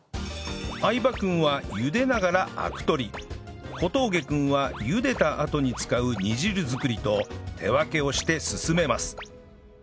相葉君は茹でながらアク取り小峠君は茹でたあとに使う煮汁作りと手分けをして進めます